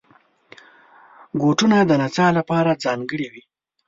بوټونه د نڅا لپاره ځانګړي وي.